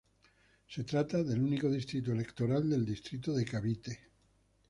Se trata del único distrito electoral de distrito de Cavite.